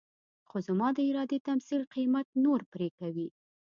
خو زموږ د ارادې تمثيل قيمت نور پرې کوي.